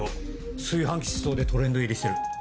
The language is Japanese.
「炊飯器失踪」でトレンド入りしてる。